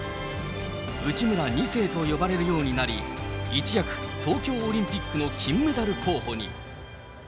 内村２世と呼ばれるようになり、一躍、東京オリンピックの金メダル候補に。